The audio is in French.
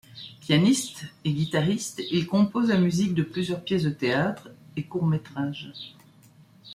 Pianiste et guitariste, il compose la musique de plusieurs pièces de théâtre et courts-métrages.